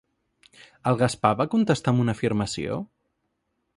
El Gaspar va contestar amb una afirmació?